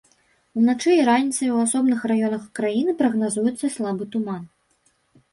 Уначы і раніцай у асобных раёнах краіны прагназуецца слабы туман.